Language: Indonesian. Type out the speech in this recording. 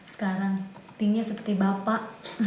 sekarang pentingnya seperti bapak